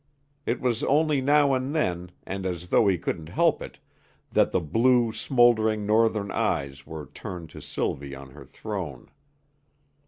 It was only now and then, and as though he couldn't help it, that the blue, smouldering Northern eyes were turned to Sylvie on her throne.